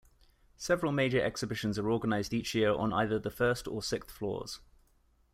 Several major exhibitions are organised each year on either the first or sixth floors.